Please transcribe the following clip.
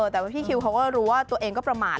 แต่ว่าพี่คิวเขาก็รู้ว่าตัวเองก็ประมาท